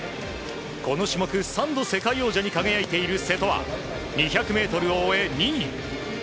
この種目３度世界王者に輝いている瀬戸は２００ｍを終え、２位。